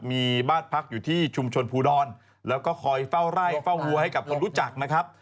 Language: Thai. มีบ้านพักอยู่ที่ชุมชนภูดรแล้วก็คอยเฝ้าไร่เฝ้าวัวให้กับคนรู้จักนะครับ